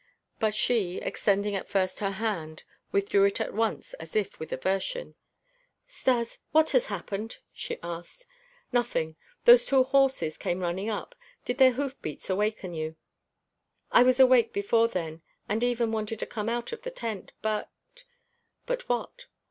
But she, extending at first her hand, withdrew it at once as if with aversion. "Stas, what has happened?" she asked. "Nothing. Those two horses came running up. Did their hoof beats awaken you?" "I was awake before then and even wanted to come out of the tent, but " "But what?"